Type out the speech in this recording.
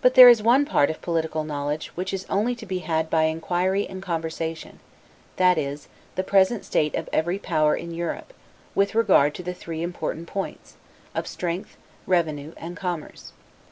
But there is one part of political knowledge, which is only to be had by inquiry and conversation; that is, the present state of every power in Europe, with regard to the three important points, of strength, revenue, and commerce.